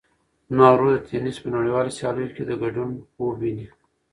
زما ورور د تېنس په نړیوالو سیالیو کې د ګډون خوب ویني.